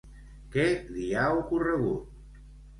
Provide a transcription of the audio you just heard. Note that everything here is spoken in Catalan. Què li ha ocorregut?